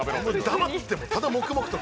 黙ってただ黙々と。